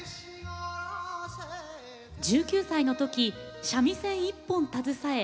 １９歳のとき、三味線一本携え